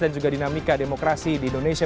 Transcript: dan juga dinamika demokrasi di indonesia